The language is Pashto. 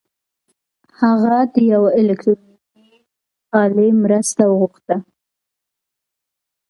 هغه د يوې الکټرونيکي الې مرسته وغوښته.